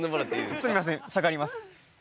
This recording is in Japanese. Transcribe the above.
すいません下がります。